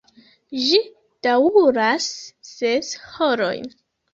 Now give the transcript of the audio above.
Ĝi daŭras ses horojn.